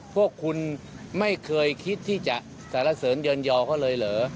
พวกคุณไม่เคยคิดที่จะสารเสริญเยินยอเขาเลยเหรอ